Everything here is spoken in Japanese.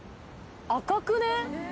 赤くね？